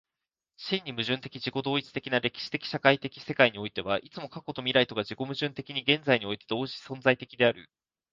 真に矛盾的自己同一的な歴史的社会的世界においては、いつも過去と未来とが自己矛盾的に現在において同時存在的である。